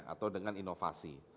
atau dengan inovasi